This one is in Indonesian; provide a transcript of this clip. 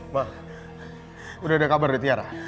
ma udah ada kabar dari tiara